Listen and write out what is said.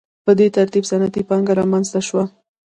په دې ترتیب صنعتي پانګه رامنځته شوه.